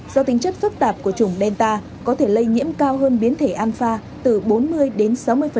do tính chất phức tạp của chủng delta có thể lây nhiễm cao hơn biến thể anfa từ bốn mươi đến sáu mươi